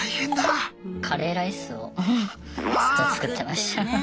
カレーライスをずっと作ってました。